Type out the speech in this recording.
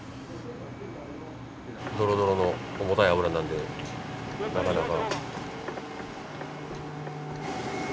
ドロドロの重たい油なんでなかなか。